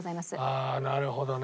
ああなるほどね。